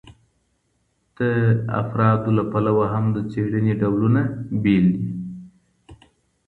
د افرادو له پلوه هم د څېړني ډولونه بېل دي.